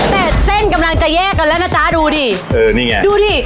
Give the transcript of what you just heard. แต่เส้นกำลังจะแยกกันแล้วนะจ๊ะดูดิเออนี่ไงดูดิ